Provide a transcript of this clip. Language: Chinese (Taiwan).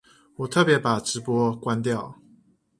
我特別把直播關掉